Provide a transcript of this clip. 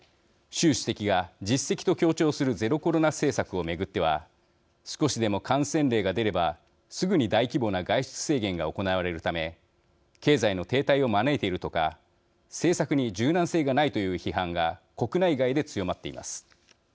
習主席が実績と強調するゼロコロナ政策を巡っては少しでも感染例が出ればすぐに大規模な外出制限が行われるため経済の停滞を招いているとか政策に柔軟性がないという批判が国内外で強まっています。